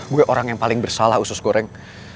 gue orang yang paling bersalah usus goreng